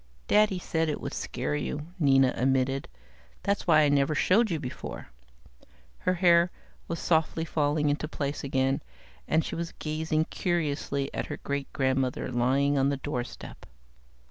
"Daddy said it would scare you," Nina admitted. "That's why I never showed you before." Her hair was softly falling into place again, and she was gazing curiously at her great grandmother lying on the doorstep.